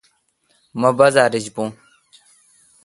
مہ بازار ایج بون